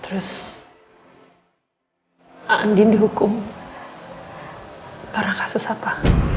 terus andin dihukum karena kasus apa